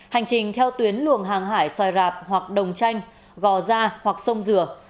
hành trình theo tuyến luồng hàng hải xoài rạp hoặc đồng tranh gò gia hoặc sông dừa